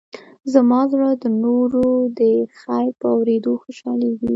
زما زړه د نورو د خیر په اورېدو خوشحالېږي.